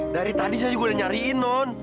dari tadi saya juga udah nyariin non